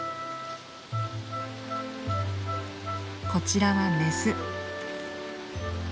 こちらはメス。